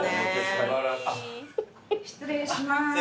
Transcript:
失礼します。